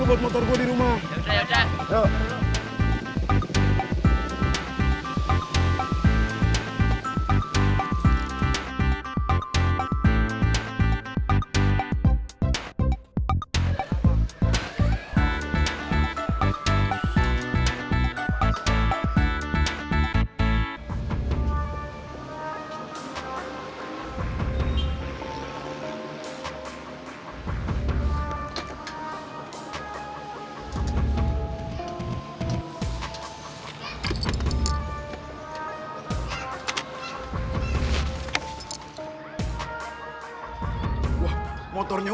amba tidak boleh mencintai sesuatu